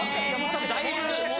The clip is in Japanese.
たぶんだいぶ。